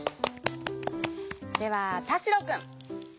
ではたしろくん。